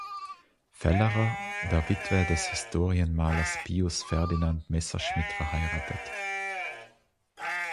Fellerer, der Witwe des Historienmalers Pius Ferdinand Messerschmitt, verheiratet.